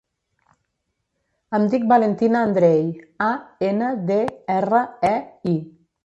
Em dic Valentina Andrei: a, ena, de, erra, e, i.